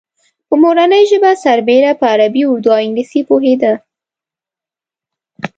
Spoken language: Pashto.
په مورنۍ ژبه سربېره په عربي، اردو او انګلیسي پوهېده.